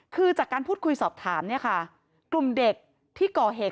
คือจากการพูดคุยสอบถามเนี่ยค่ะกลุ่มเด็กที่ก่อเหตุ